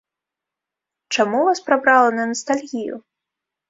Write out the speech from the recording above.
Чаму вас прабрала на настальгію?